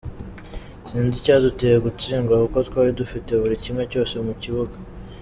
Sinzi icyaduteye gutsindwa kuko twari dufite buri kimwe cyose mu kibuga.